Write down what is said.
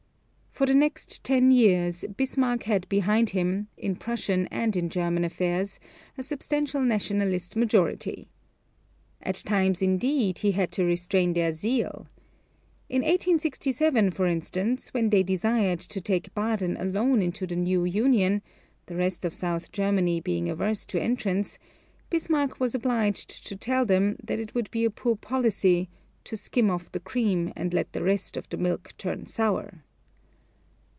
For the next ten years Bismarck had behind him, in Prussian and in German affairs, a substantial nationalist majority. At times, indeed, he had to restrain their zeal. In 1867, for instance, when they desired to take Baden alone into the new union, the rest of South Germany being averse to entrance, Bismarck was obliged to tell them that it would be a poor policy "to skim off the cream and let the rest of the milk turn sour."